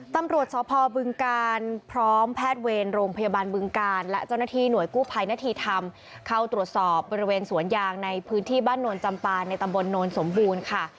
ตำรวจสพบึงกาลพร้อมแพทย์เวรโรงพยาบาลบึงกาลและเจ้าหน้าที่หน่วยกู้ภัยนาธีธรรมเข้าตรวจสอบบริเวณสวนยางในพื้นที่บ้านโนนจำปาในตำบลโนนสมบูรณ์ค่ะ